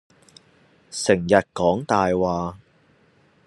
成日講大話